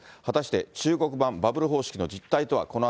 果たして中国版バブル方式の実態とは。